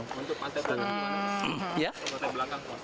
untuk pantai belakang